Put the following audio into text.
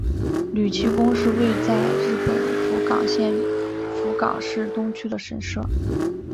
筥崎宫是位在日本福冈县福冈市东区的神社。